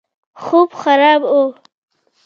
خوب خراب وو.